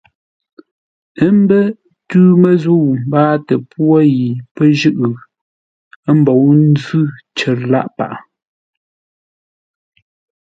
Ə́ mbə́ ntû məzʉ̂ mbáatə pwô yi pə́ jʉ́ʼ, ə́ mbou nzʉ́ cər lâʼ paghʼə.